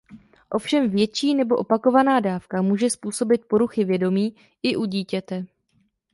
Ovšem větší nebo opakovaná dávka může způsobit poruchy vědomí i u dítěte.